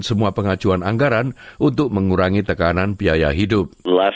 semua pengajuan anggaran untuk mengurangi tekanan biaya hidup